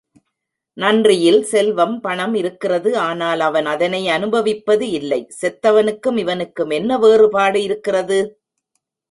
நன்றியில் செல்வம் பணம் இருக்கிறது ஆனால் அவன் அதனை அனுபவிப்பது இல்லை செத்தவனுக்கும் இவனுக்கும் என்ன வேறுபாடு இருக்கிறது?